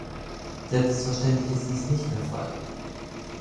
Selbstverständlich ist dies nicht der Fall.